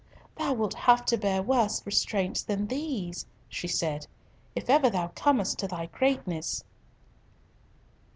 thou wilt have to bear worse restraints than these," she said, "if ever thou comest to thy greatness."